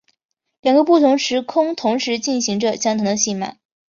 两个不同的时空同时进行着相同的戏码。